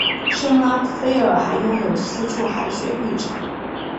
圣拉斐尔还拥有四处海水浴场。